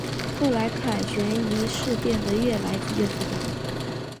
后来的凯旋仪式变得越来越复杂。